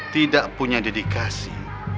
tidak punya dedikasi